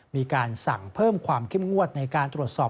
มีการสั่งเพิ่มความเข้มงวดในการตรวจสอบ